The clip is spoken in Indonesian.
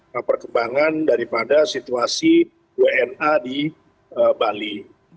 nah perkembangan daripada situasi wna di bali